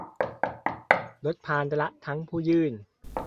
ลดภาระทั้งผู้ยื่น